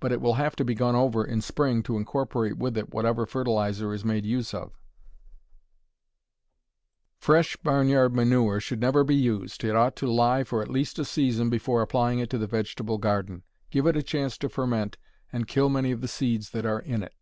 But it will have to be gone over in spring to incorporate with it whatever fertilizer is made use of. Fresh barn yard manure should never be used. It ought to lie for at least a season before applying it to the vegetable garden. Give it a chance to ferment and kill many of the seeds that are in it.